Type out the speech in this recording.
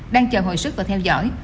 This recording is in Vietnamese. đang chờ hồi sức và theo dõi